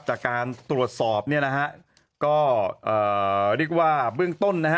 จากการตรวจสอบเนี่ยนะฮะก็เอ่อเรียกว่าเบื้องต้นนะฮะ